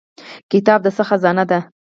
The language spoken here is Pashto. کتاب د څه خزانه ده؟